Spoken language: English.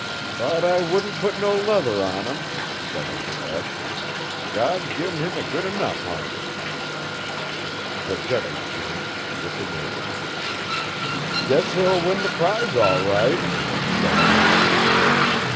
'Thought I wouldn't put no luther on him,' said Uncle Eb, 'God's gin' 'im a good 'nuff harness.' The judges came and looked him over. 'Guess he'll win the prize all right,' said one of them.